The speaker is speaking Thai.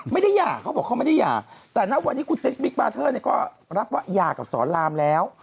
หย่าเขาบอกเขาไม่ได้หย่าแต่ณวันนี้คุณติ๊สบิ๊กบาเทอร์เนี่ยก็รับว่าหย่ากับสอนรามแล้ว